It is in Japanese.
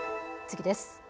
次です。